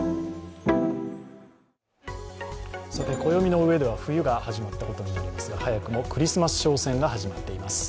暦の上では冬が始まったことになりますが、早くもクリスマス商戦が始まっています。